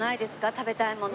食べたいもの。